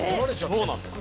そうなんです。